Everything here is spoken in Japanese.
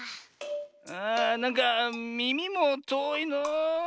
ああなんかみみもとおいのう。